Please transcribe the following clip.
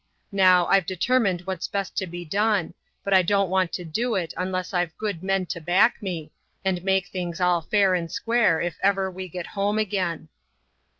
Now, I've detarmined what's best to h done ; but I don't want to do it unless Pve good men to back me and make things all fair and square if ever we get home again.'